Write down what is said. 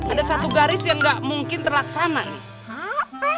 ada satu garis yang gak mungkin terlaksana nih